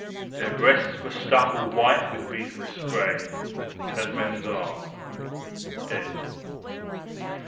Their breasts were stuck all white with wreath and spray As men's are, dead.